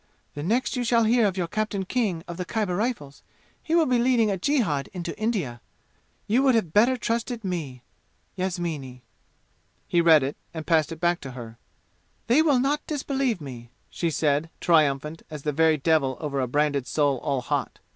The next you shall hear of your Captain King of the Khyber Rifles, he will be leading a jihad into India. You would have better trusted me. Yasmini." He read it and passed it back to her. "They will not disbelieve me," she said, triumphant as the very devil over a branded soul all hot.